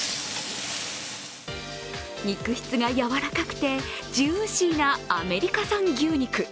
肉質が柔らかくてジューシーなアメリカ産牛肉。